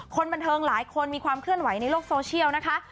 คนบันเทิงหลายคนมีความเคลื่อนไหวในโลกโซเชียลนะคะ